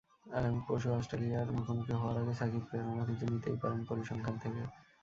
আগামী পরশু অস্ট্রেলিয়ার মুখোমুখি হওয়ার আগে সাকিব প্রেরণা খুঁজে নিতেই পারেন পরিসংখ্যান থেকে।